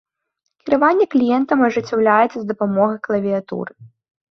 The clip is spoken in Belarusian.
Кіраванне кліентам ажыццяўляецца з дапамогай клавіятуры.